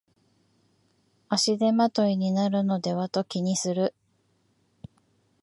足手まといになるのではと気にする